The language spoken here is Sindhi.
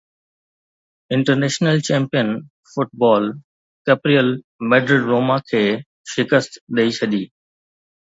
انٽرنيشنل چيمپيئن فٽبال ڪيپريئل ميڊرڊ روما کي شڪست ڏئي ڇڏي